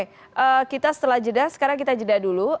oke kita setelah jeda sekarang kita jeda dulu